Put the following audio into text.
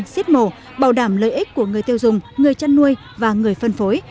xiết mổ bảo đảm lợi ích của người tiêu dùng người chăn nuôi và người phân phối